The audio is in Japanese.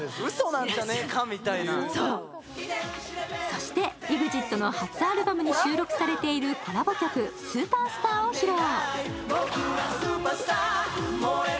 そしてＥＸＩＴの初アルバムに収録されているコラボ曲「ＳＵＰＥＲＳＴＡＲ」を披露。